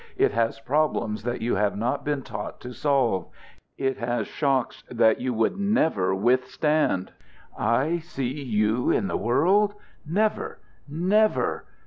It has problems that you have not been taught to solve. It has shocks that you would never withstand. I see you in the world? Never, never!